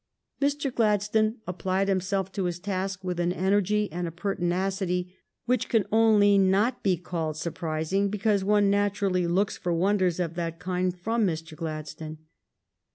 Mr. Gladstone applied himself to his task with an energy and a pertinacity which can only not be called surprising because one naturally looks for wonders of that kind from Mr. Gladstone.